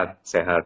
tapi sih ya sehat